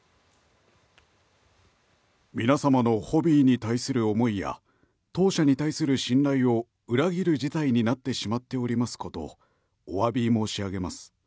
皆様のホビーに対する思いや当社に対する信頼を裏切る事態となってしまっていることをおわび申し上げます。